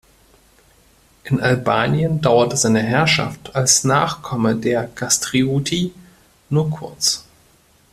In Albanien dauerte seine Herrschaft als Nachkomme der Kastrioti nur kurz.